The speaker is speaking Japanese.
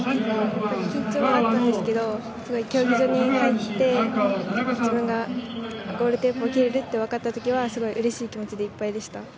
緊張があったんですけど競技場に入って自分がゴールテープを切れると分かったときは、すごいうれしい気持ちでいっぱいでした。